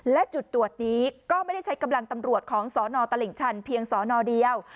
และจุดตรวจนี้ก็ไม่ได้ใช้กำลังตำรวจของสนตลิ่งชันเพียงสนเดียว